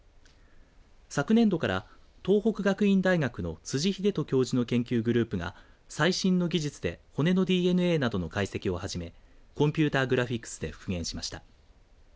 昨年度から東北学院大学の辻秀人教授の研究グループが最新の技術で骨のＤＮＡなどの解析を始めコンピューターグラフィックスで復元しました。